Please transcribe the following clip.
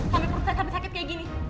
sampai perut saya sampai sakit kayak gini